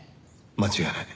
間違いない。